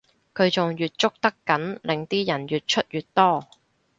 佢仲越捉得緊令啲人越出越多